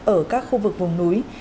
ở các khu vực vùng núi